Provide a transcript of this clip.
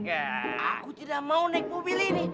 aku tidak mau naik mobil ini